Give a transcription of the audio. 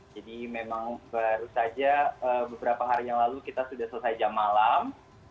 memang baru saja beberapa hari yang lalu kita sudah selesai jam malam